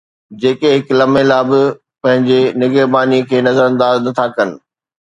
جيڪي هڪ لمحي لاءِ به پنهنجي نگهباني کي نظرانداز نٿا ڪن